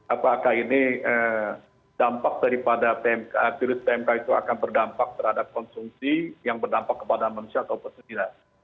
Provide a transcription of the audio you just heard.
apakah ini dampak daripada virus pmk itu akan berdampak terhadap konsumsi yang berdampak kepada manusia atau tidak